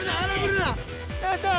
よいしょ。